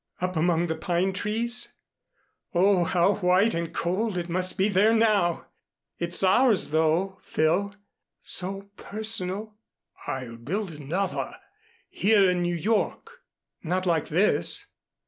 "Up among the pine trees? Oh, how white and cold it must be there now! It's ours though, Phil, so personal " "I'll build another here in New York." "Not like this?"